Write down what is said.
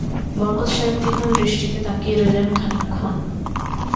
বরকত সাহেব তীক্ষ্ণ দৃষ্টিতে তাকিয়ে রইলেন খানিকক্ষণ।